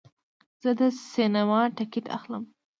زه د سینما ټکټ اخلم.